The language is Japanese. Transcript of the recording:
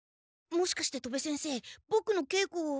もしかして戸部先生ボクのけいこを。